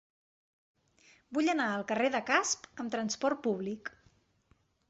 Vull anar al carrer de Casp amb trasport públic.